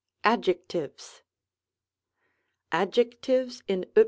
Adjectives. Adjectives in vq.